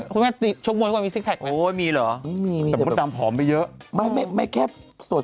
ซึ่งชุดช่วยอัฟแลนด์หรือบ้าจำกันเพราะเพราะเราไม่เยอะไงแบบได้ส่วน